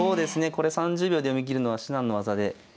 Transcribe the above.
これ３０秒で読み切るのは至難の業で。